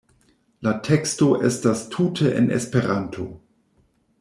La teksto estas tute en Esperanto.